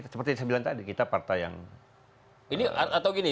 seperti yang saya bilang tadi